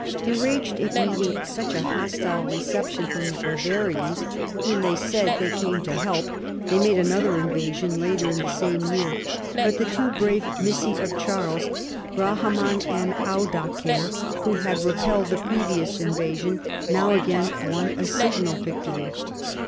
Enraged at meeting such a hostile reception from WARS WITH AVARS AND SCLAVES. 209 the Bavarians whom, as they said, they came to help, they made another invasion later in the same year ; but the two brave inissi of Charles, Grahamann and Audacer, who had repelled the previous invasion now again won a signal victory.